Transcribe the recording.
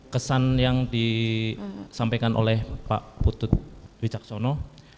kesan yang disampaikan oleh pak putut wicaksono